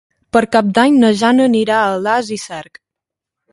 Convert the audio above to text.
Per Cap d'Any na Jana anirà a Alàs i Cerc.